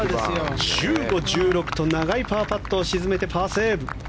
１５、１６と長いパーパットを沈めてパーセーブ。